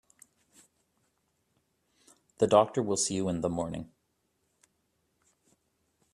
The doctor will see you in the morning.